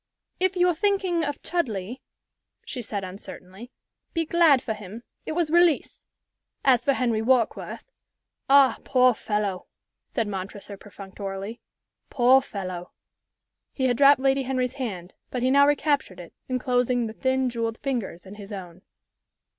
"If you're thinking of Chudleigh," she said, uncertainly, "be glad for him. It was release. As for Henry Warkworth " "Ah, poor fellow!" said Montresor, perfunctorily. "Poor fellow!" He had dropped Lady Henry's hand, but he now recaptured it, enclosing the thin, jewelled fingers in his own.